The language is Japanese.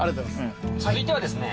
続いてはですね。